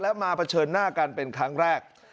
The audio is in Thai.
และมาเผชิญหน้ากันเป็นครั้งแรก